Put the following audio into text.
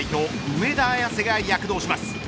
上田綺世が躍動します。